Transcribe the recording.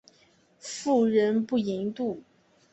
妇人不淫妒。